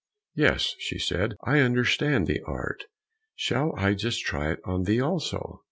"Yes," she said, "I understand the art; shall I just try it on thee also?"